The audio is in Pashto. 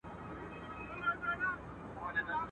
خوندي مړې سوې، چي پاته ترلې سوې.